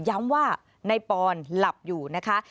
ย้ำว่านายปอนหลับอยู่นะคะ